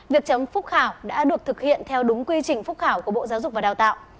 việc chấm phúc khảo đã được thực hiện theo đúng quy trình phúc khảo của bộ giáo dục và đào tạo